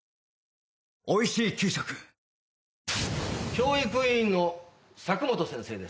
教育委員の佐久本先生です。